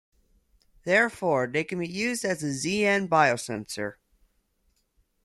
Therefore, they can be used as Zn biosensor.